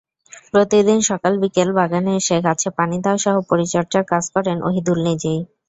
প্রতিদিন সকাল-বিকেল বাগানে এসে গাছে পানি দেওয়াসহ পরিচর্যার কাজ করেন অহিদুল নিজেই।